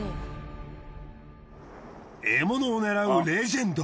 獲物を狙うレジェンド。